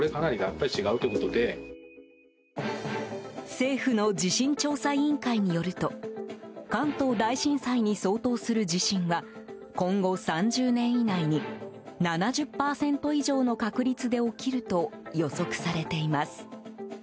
政府の地震調査委員会によると関東大震災に相当する地震は今後３０年以内に７０％以上の確率で起きると予測されています。